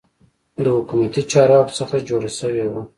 د حکومتي چارواکو څخه جوړه شوې وه.